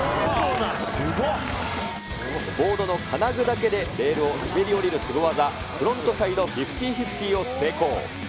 ボードの金具だけでレールを滑り降りるスゴ技、フロントサイド５０ー５０を成功。